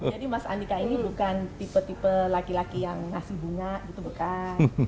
jadi mas andika ini bukan tipe tipe laki laki yang ngasih bunga gitu bukan